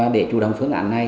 để chủ động phương án này